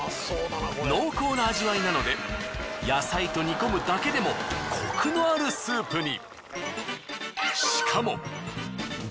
濃厚な味わいなので野菜と煮込むだけでもコクのあるスープに。